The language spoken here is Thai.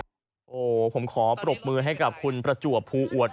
อ๋อคือเกมมันขึ้นเลยใช่ไหมครับโอ้ผมขอปรบมือให้กับคุณประจวบภูอวด